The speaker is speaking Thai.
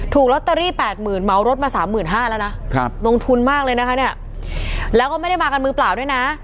ลอตเตอรี่๘๐๐๐เหมารถมา๓๕๐๐แล้วนะลงทุนมากเลยนะคะเนี่ยแล้วก็ไม่ได้มากันมือเปล่าด้วยนะ